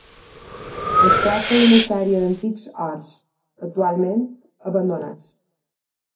Es tracta d'una sèrie d'antics horts, actualment abandonats.